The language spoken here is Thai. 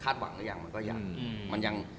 คาดหวังตัวยังมันก็ยัง